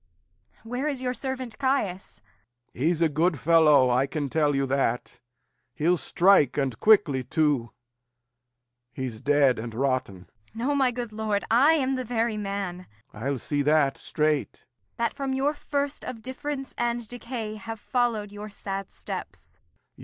Where is your servant Caius? Lear. He's a good fellow, I can tell you that. He'll strike, and quickly too. He's dead and rotten. Kent. No, my good lord; I am the very man Lear. I'll see that straight. Kent. That from your first of difference and decay Have followed your sad steps.